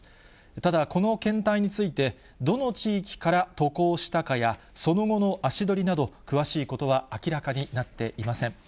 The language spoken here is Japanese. ただ、この検体について、どの地域から渡航したかや、その後の足取りなど、詳しいことは明らかになっていません。